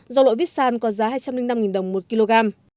giò lội vít san có giá hai trăm linh năm đồng một kg